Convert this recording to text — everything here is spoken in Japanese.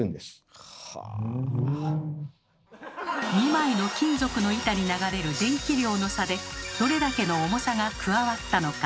２枚の金属の板に流れる電気量の差で「どれだけの重さが加わったのか」